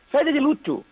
saya jadi lucu